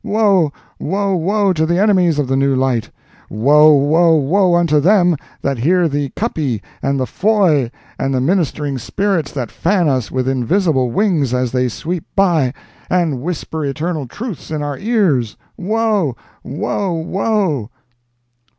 woe, woe, woe, to the enemies of the new light! woe, woe, woe, unto them that hear the Cuppy and the Foye and the ministering spirits that fan us with invisible wings as they sweep by, and whisper eternal truths in our ears—woe, woe, woe!"